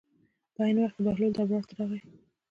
په عین وخت کې بهلول دربار ته راغی.